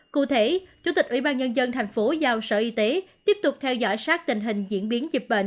cụ thể chủ tịch ủy ban nhân dân thành phố giao sở y tế tiếp tục theo dõi sát tình hình diễn biến dịch bệnh